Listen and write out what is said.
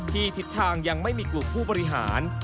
ทิศทางยังไม่มีกลุ่มผู้บริหาร